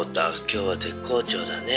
今日は絶好調だね。